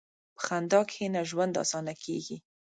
په خندا کښېنه، ژوند اسانه کېږي.